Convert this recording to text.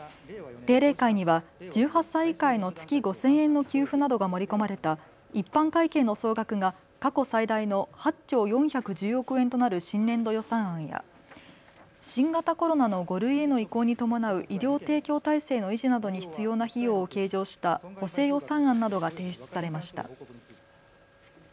定例会には１８歳以下への月５０００円の給付などが盛り込まれた一般会計の総額が過去最大の８兆４１０億円となる新年度予算案や新型コロナの５類への移行に伴う医療提供体制の維持などに必要な費用を計上した補正予算案などが提出されました。